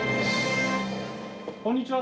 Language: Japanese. こんにちは。